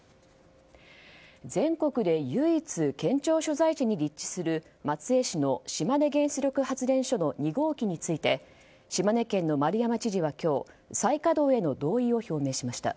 全国で唯一、県庁所在地に立地する松江市の島根原子力発電所の２号機について島根県の丸山知事は今日再稼働への同意を表明しました。